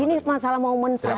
ini masalah momen saya